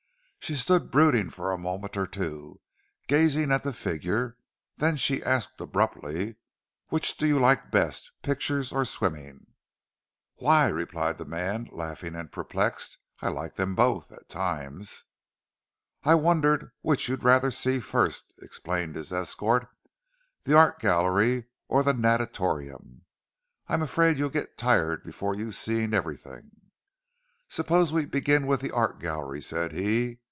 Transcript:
She stood brooding for a moment or two, gazing at the figure. Then she asked, abruptly, "Which do you like best, pictures or swimming?" "Why," replied the man, laughing and perplexed, "I like them both, at times." "I wondered which you'd rather see first," explained his escort; "the art gallery or the natatorium. I'm afraid you'll get tired before you've seen every thing." "Suppose we begin with the art gallery," said he.